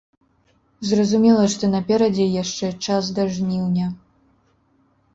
Зразумела, што наперадзе яшчэ час да жніўня.